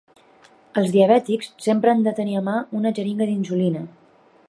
Els diabètics sempre han de tenir a mà una xeringa d'insulina.